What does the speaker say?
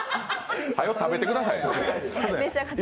はよ食べてください。